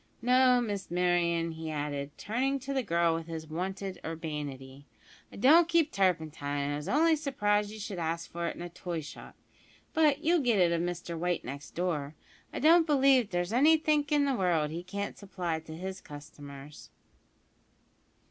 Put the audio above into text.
No, Miss Merryon," he added, turning to the girl with his wonted urbanity, "I don't keep turpentine, and I was only surprised you should ask for it in a toy shop; but you'll get it of Mr White next door. I don't believe there's anythink in the world as he can't supply to his customers."